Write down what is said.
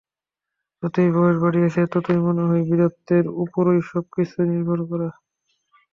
যতই বয়স বাড়িতেছে, ততই মনে হয়, বীরত্বের উপরই সব কিছু নির্ভর করে।